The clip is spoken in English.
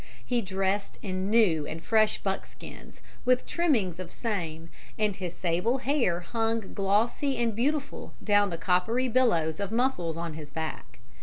He dressed in new and fresh buckskins, with trimming of same, and his sable hair hung glossy and beautiful down the coppery billows of muscles on his back.